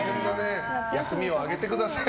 休みをあげてください。